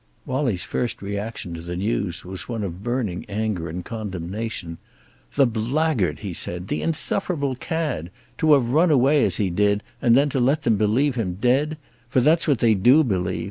Wallie's first reaction to the news was one of burning anger and condemnation. "The blackguard!" he said. "The insufferable cad! To have run away as he did, and then to let them believe him dead! For that's what they do believe.